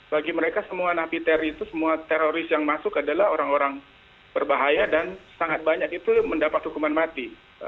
bagi mereka semua napiter itu semua teroris yang masuk adalah orang orang berbahaya dan sangat banyak itu mendapat hukuman mati